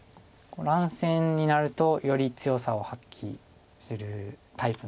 乱戦になるとより強さを発揮するタイプなので。